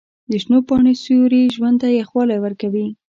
د شنو پاڼو سیوري ژوند ته یخوالی ورکوي.